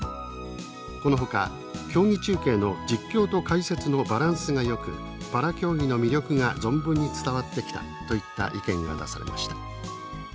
このほか「競技中継の実況と解説のバランスがよくパラ競技の魅力が存分に伝わってきた」といった意見が出されました。